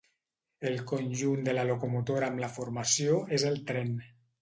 El conjunt de la locomotora amb la formació és el tren.